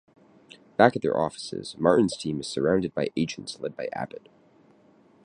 Back at their offices, Martin's team is surrounded by agents led by Abbott.